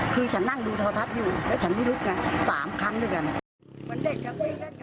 คือฉันนั่งดูโทรทัศน์อยู่แล้วฉันไม่ลุกกัน๓ครั้งด้วยกัน